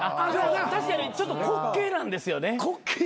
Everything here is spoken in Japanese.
確かにちょっと滑稽なんですよね。